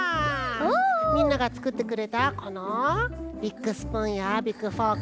みんながつくってくれたこのビッグスプーンやビッグフォークね